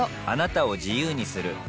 あなたを自由にする